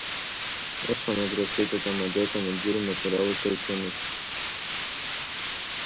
Усҟан агәра згеит атамадеи акомандири маҵурала ишеиԥшымыз…